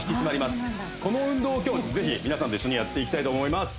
この運動を今日ぜひ皆さんと一緒にやっていきたいと思います